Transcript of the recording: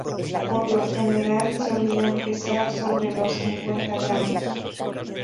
Por lo general solían pesar sobre los cincuenta gramos.